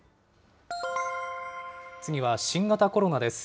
次は新型コロナです。